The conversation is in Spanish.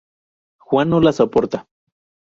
Juan no la soporta.